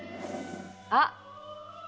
あっ。